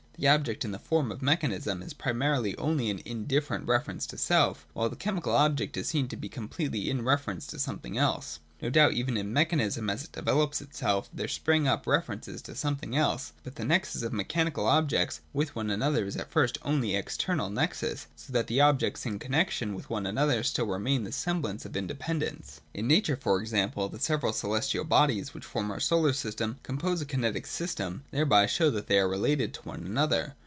The object, in the form of mechanism, is primarily only an in different reference to self, while the chemical object is seen to be completely in reference to something else. No doubt even in mechanism, as it develops itself, there spring up references to something else : but the nexus of mechanical objects with one another is at first only an external nexus, so that the objects in connexion with one another still retain the semblance of independence. In nature, for example, the several celestial bodies, which form our solar system, compose a kinetic system, and thereby show that they are related to one another.